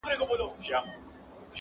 د طالع ستوری یې پټ دی بخت یې تور دی!!